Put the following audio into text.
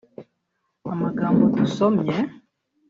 Amagambo dusomye